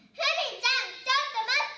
ちょっと待って！